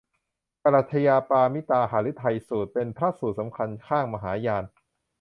ปรัชญาปารมิตาหฤทัยสูตร เป็นพระสูตรสำคัญข้างมหายาน